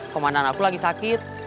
komandan aku lagi sakit